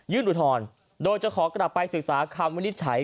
อุทธรณ์โดยจะขอกลับไปศึกษาคำวินิจฉัย